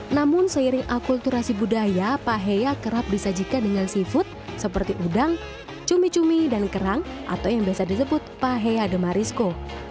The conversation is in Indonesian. namun seiring akulturasi budaya paheya kerap disajikan dengan seafood seperti udang cumi cumi dan kerang atau yang biasa disebut pahea the marisco